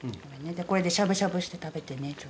これでしゃぶしゃぶして食べてね。